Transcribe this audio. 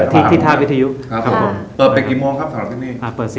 ที่ที่ท่าวิทยุครับครับผมเปิดไปกี่โมงครับสำหรับที่นี่